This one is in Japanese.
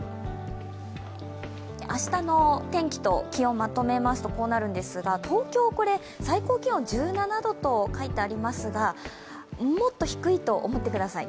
明日の天気と気温、まとめますとこうなるんですが、東京、最高気温１７度と書いてありますが、もっと低いと思ってください。